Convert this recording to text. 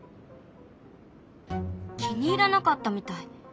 気に入らなかったみたい。